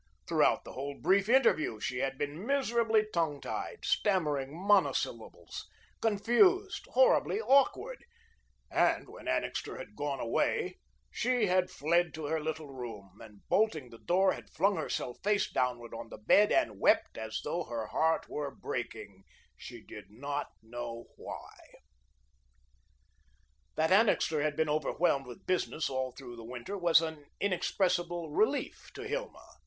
Throughout the whole brief interview she had been miserably tongue tied, stammering monosyllables, confused, horribly awkward, and when Annixter had gone away, she had fled to her little room, and bolting the door, had flung herself face downward on the bed and wept as though her heart were breaking, she did not know why. That Annixter had been overwhelmed with business all through the winter was an inexpressible relief to Hilma.